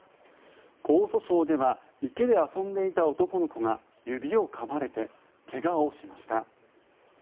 江蘇省では池で遊んでいた男の子が指をかまれて怪我をしました。